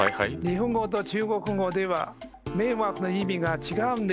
日本語と中国語では「迷惑」の意味が違うんです。